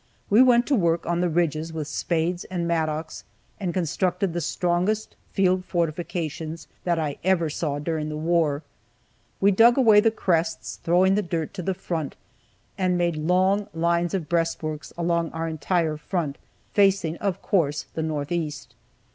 We went to work on the ridges with spades and mattocks, and constructed the strongest field fortifications that I ever saw during the war. We dug away the crests, throwing the dirt to the front, and made long lines of breastworks along our entire front, facing, of course, the northeast.